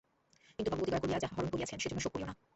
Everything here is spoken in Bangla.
কিন্তু ভগবতী দয়া করিয়া যাহা হরণ করিয়াছেন সেজন্য শোক করিয়ো না।